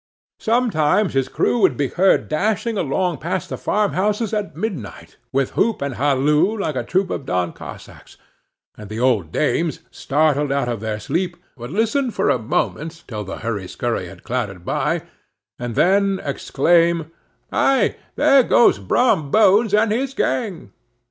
Sometimes his crew would be heard dashing along past the farmhouses at midnight, with whoop and halloo, like a troop of Don Cossacks; and the old dames, startled out of their sleep, would listen for a moment till the hurry scurry had clattered by, and then exclaim, "Ay, there goes Brom Bones and his gang!"